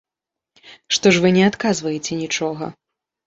Што ж вы не адказваеце нічога?